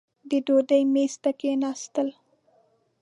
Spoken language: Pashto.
د ډوډۍ مېز ته کښېنستل.